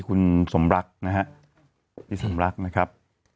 คุณสมรักนะฮะพี่สมรักนะครับ